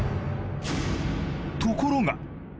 ところが。